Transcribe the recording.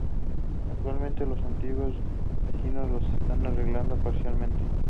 Actualmente los antiguos vecinos lo están arreglando parcialmente.